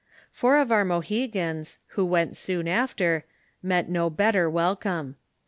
Four of our Mohegans, who went soon after, met no better welcome.